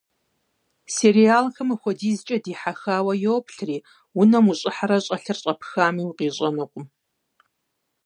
Сериалхэм апхуэдизкӏэ дихьэхауэ йоплъри, унэм ущӏыхьэрэ щӏэлъыр щӏэпхами, укъищӏэнукъым.